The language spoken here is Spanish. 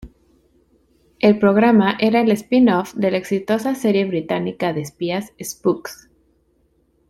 El programa era el spin-off de la exitosa serie británica de espías Spooks.